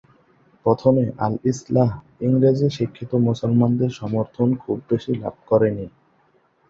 প্রথমে আল ইসলাহ ইংরেজি শিক্ষিত মুসলমানদের সমর্থন খুব বেশি লাভ করেনি।